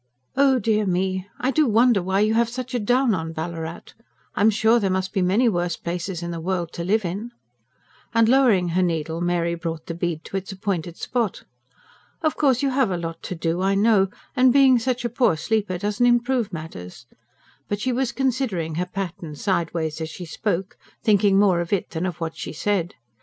"Oh dear me! I do wonder why you have such a down on Ballarat. I'm sure there must be many worse places in the world to live in", and lowering her needle, Mary brought the bead to its appointed spot. "Of course you have a lot to do, I know, and being such a poor sleeper doesn't improve matters." But she was considering her pattern sideways as she spoke, thinking more of it than of what she said.